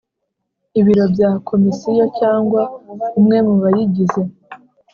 ibiro bya Komisiyo cyangwa umwe mu bayigize